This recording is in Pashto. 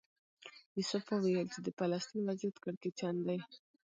یوسف وویل چې د فلسطین وضعیت کړکېچن دی.